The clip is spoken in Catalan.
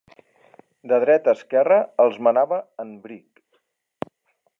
De dreta a esquerra, els manava en Brig.